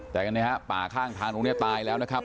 แต่ป่าข้างทางตรงนี้ตายแล้วนะครับ